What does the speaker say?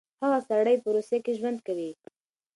هغه سړی به په روسيه کې ژوند کوي.